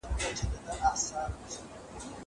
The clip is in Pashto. زه به اوږده موده پوښتنه کړې وم!